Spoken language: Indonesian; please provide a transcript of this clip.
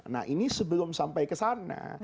nah ini sebelum sampai ke sana